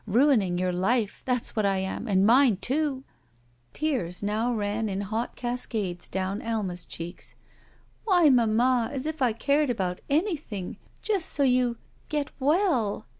Ruining your life! That's what I am, and mine, too!" Tears now ran in hot cascades down Alma's cheeks. "Why, mamma, as if I cared about anything — just so you — get well."